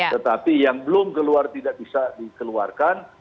tetapi yang belum keluar tidak bisa dikeluarkan